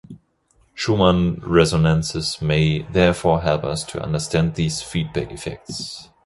Schumann resonances may therefore help us to understand these feedback effects.